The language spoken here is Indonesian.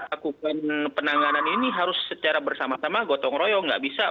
lakukan penanganan ini harus secara bersama sama gotong royong nggak bisa